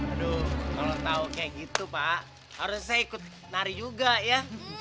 aduh kalau tahu kayak gitu pak harus saya ikut nari juga ya